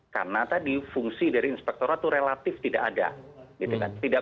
karena tadi fungsi dari inspektorat itu relatif tidak ada